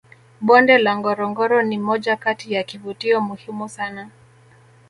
bonde la ngorongoro ni moja Kati ya kivutio muhimu sana